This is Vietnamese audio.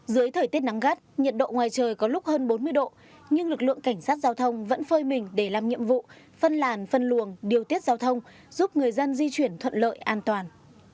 dưới thời tiết nắng gắt nhiệt độ ngoài trời có lúc hơn bốn mươi độ nhưng lực lượng cảnh sát giao thông vẫn phơi mình để làm nhiệm vụ phân làn phân luồng điều tiết giao thông giúp người dân di chuyển thuận lợi an toàn